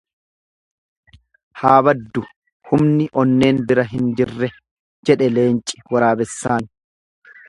Haa baddu humni onneen bira hin jirre, jedhe leenci waraabessaan.